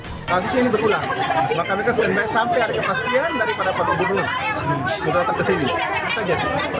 maka mereka stand by sampai ada kepastian daripada empat bulan